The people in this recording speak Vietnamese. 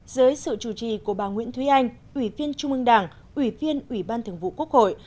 dưới sự chủ trì của bà nguyễn thúy anh ủy viên trung ương đảng ủy viên ủy ban thường vụ quốc hội